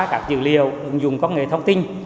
các dữ liệu ứng dụng công nghệ thông tin